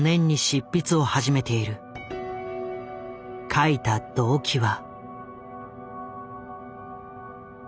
書いた動機は。